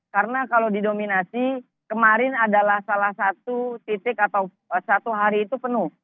karena kalau didominasi kemarin adalah salah satu titik atau satu hari itu penuh